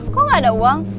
kok gak ada uang